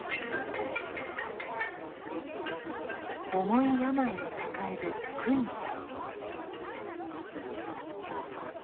重い病を抱えるクインさん。